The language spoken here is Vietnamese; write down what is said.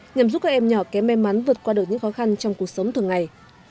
nhằm giúp các em nhỏ kém may mắn vượt qua được những khó khăn trong cuộc sống thường ngày